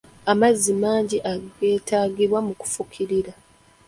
Amazzi mangi ageetagibwa mu kufukirira.